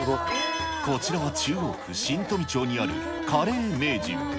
こちらは中央区新富町にあるカレー名人。